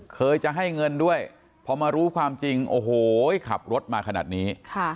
เคยจะให้เงินด้วยพอมารู้ความจริงโอ้โหขับรถมาขนาดนี้